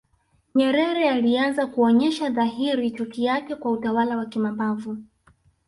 Nyerere alianza kuonyesha dhahiri chuki yake kwa utawala wa kimabavu